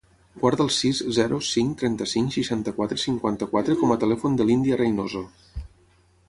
Guarda el sis, zero, cinc, trenta-cinc, seixanta-quatre, cinquanta-quatre com a telèfon de l'Índia Reinoso.